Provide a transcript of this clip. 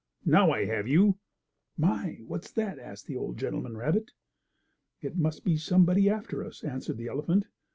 Now I have you!" "My! What's that?" asked the old gentleman rabbit. "It must be somebody after us," answered the elephant.